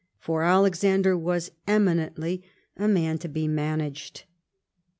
For Alexander was eminently a man to be managed.